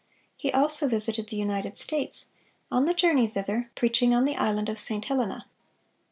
He also visited the United States, on the journey thither preaching on the island of St. Helena.